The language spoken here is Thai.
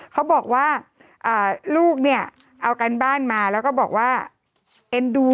เขาบอกว่าลูกเนี่ยเอาการบ้านมาแล้วก็บอกว่าเอ็นดู